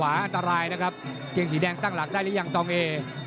อันตรายนะครับเกงสีแดงตั้งหลักได้หรือยังตองเอ